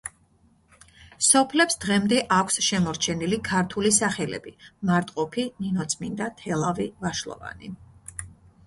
სოფლებს დღემდე აქვს შემორჩენილი ქართული სახელები: მარტყოფი, ნინოწმინდა, თელავი, ვაშლოვანი.